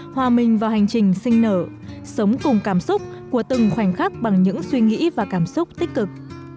hòa mình vào hành trình sinh nở sống cùng cảm xúc của từng khoảnh khắc bằng những suy nghĩ và cảm xúc tích cực